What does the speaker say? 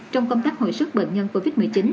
trong công tác hồi sức bệnh nhân covid một mươi chín